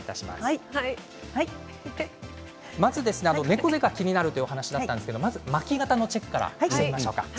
まず猫背が気になるというお話だったんですが巻き肩のチェックからしてみましょうか。